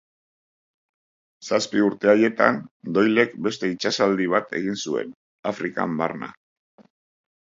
Zazpi urte haietan Doylek beste itsasaldi bat egin zuen, Afrikan barna.